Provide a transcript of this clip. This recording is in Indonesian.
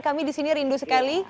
kami di sini rindu sekali